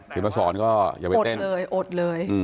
ถึงเมื่อสอนก็อย่าไปเต้นโอดเลยโอดเลย